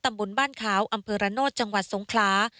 ตำบลบ้านขาวอำเภอระโนธจังหวัดสงคลา